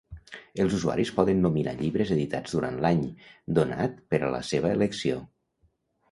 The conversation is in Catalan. Els usuaris poden nominar llibres editats durant l'any donat per a la seva elecció.